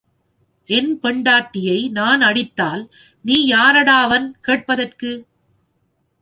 என் பெண்டாட்டியை நான் அடித்தால் நீ யாரடாவன் கேட்பதற்கு?